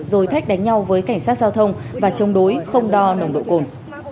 rồi thách đánh nhau với cảnh sát giao thông và chống đối không đo nồng độ cồn